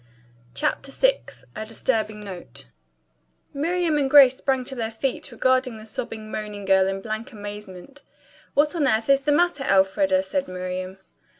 CHAPTER VI A DISTURBING NOTE Miriam and Grace sprang to their feet, regarding the sobbing, moaning girl in blank amazement. "What on earth is the matter, Elfreda," said Miriam.